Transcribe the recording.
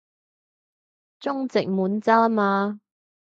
中殖滿洲吖嘛